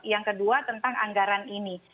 yang kedua tentang anggaran ini